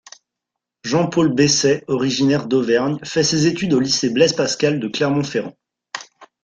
Jean-Paul Besset, originaire d'Auvergne, fait ses études au lycée Blaise-Pascal de Clermont-Ferrand.